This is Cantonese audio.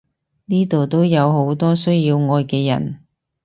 呢度都有好多需要愛嘅人！